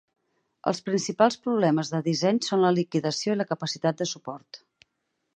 Els principals problemes de disseny són la liquidació i la capacitat de suport.